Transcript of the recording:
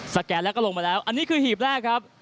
แกนแล้วก็ลงมาแล้วอันนี้คือหีบแรกครับ